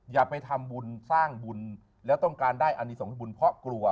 อย่าไปทำบุญสร้างบุญแล้วต้องการได้อันนี้ส่งให้บุญเพราะกลัว